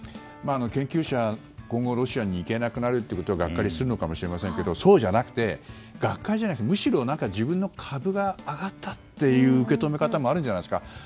研究者、今後ロシアに行けなくなるということにがっかりするかもしれませんがそうじゃなくて学会じゃなくてむしろ自分の格が上がってという受け止め方もあるんじゃないですか。